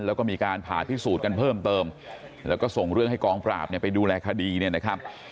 แล้วก็มีการผ่าพิสูจน์กันเพิ่มเติมแล้วก็ส่งเรื่องให้กองปราบเนี่ยไปดูแลคดีเนี่ยนะครับ